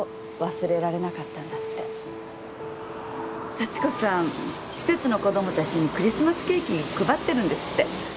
幸子さん施設の子供たちにクリスマスケーキ配ってるんですって。